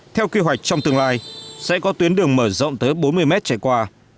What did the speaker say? theo kế hoạch trong tương lai sẽ có tuyến đường mở rộng tới bốn mươi mét chạy qua